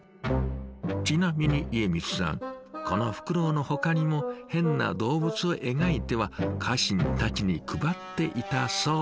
ちなみに家光さんこのフクロウのほかにもヘンな動物を描いては家臣たちに配っていたそう。